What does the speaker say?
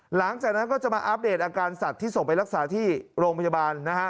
หลังจากนั้นก็จะมาอัปเดตอาการสัตว์ที่ส่งไปรักษาที่โรงพยาบาลนะฮะ